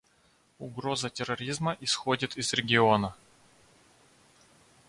Угроза терроризма исходит из региона.